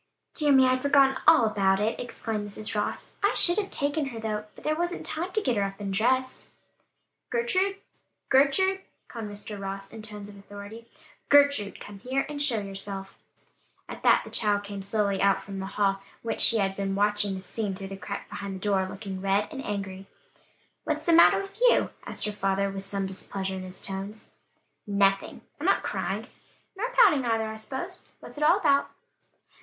"Dear me, I'd forgotten all about it!" exclaimed Mrs. Ross. "I should have taken her though, but there wasn't time to get her up and dressed." "Gertrude! Gertrude!" called Mr. Ross, in tones of authority, "Gertrude, come here and show yourself." At that the child came slowly out from the hall whence she had been watching the scene through the crack behind the door looking red and angry. "What's the matter with you?" asked her father, with some displeasure in his tones. "Nothing, I'm not crying." "Nor pouting either, I suppose? What's it all about."